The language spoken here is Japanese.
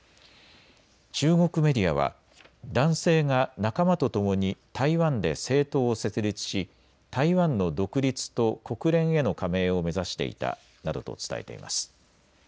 中国メディアは男性が仲間とともに台湾で政党を設立し台湾の独立と国連への加盟を目指していたなどと伝えています。